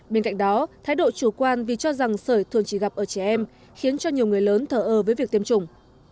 bên cạnh đó thái độ chủ quan vì cho rằng sởi thường chỉ gặp ở trẻ em khiến cho nhiều người lớn thở ơ với việc tiêm chủng